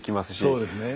そうですね。